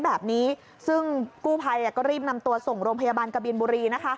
แบบนี้ซึ่งกู้ภัยก็รีบนำตัวส่งโรงพยาบาลกบินบุรีนะคะ